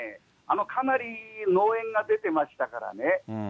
かなり濃煙が出てましたからね。